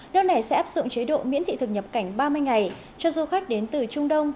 nước này sẽ áp dụng chế độ miễn thị thực nhập cảnh ba mươi ngày cho du khách đến từ trung đông